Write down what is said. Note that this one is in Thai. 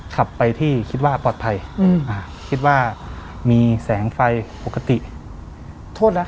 ขับไปที่คิดว่าปลอดภัยอืมอ่าคิดว่ามีแสงไฟปกติโทษนะคะ